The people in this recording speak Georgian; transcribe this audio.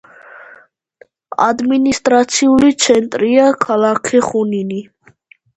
ადმინისტრაციული ცენტრია ქალაქი ხუნინი.